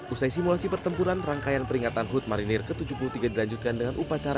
usai simulasi pertempuran rangkaian peringatan hut marinir ke tujuh puluh tiga dilanjutkan dengan upacara